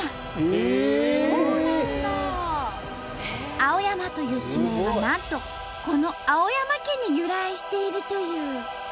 「青山」という地名はなんとこの青山家に由来しているという。